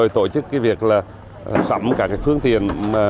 tổ chức việc sẵn cả phương tiện